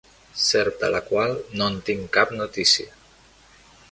Serp de la qual no en tinc cap notícia.